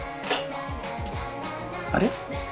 あれ？